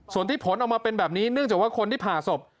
ส่วนที่ผลออกมาเป็นแบบนี้เนื่องจากว่าคนที่ผ่าศพ